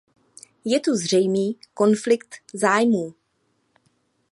Je tu zřejmý konflikt zájmů.